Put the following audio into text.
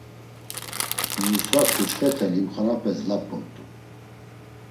Musa ǩuçxete limxonape zlap̌umt̆u.